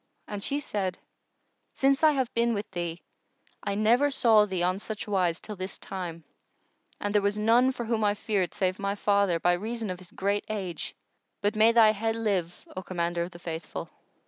and she said, "Since I have been with thee, I never saw thee on such wise till this time, and there was none for whom I feared save my father, by reason of his great age; but may thy head live, O Commander of the Faithful!"